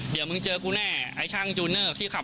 มีการอ้างว่ามีนั้นโพสต์ลักษณะบ่งเยียดที่อู่เขา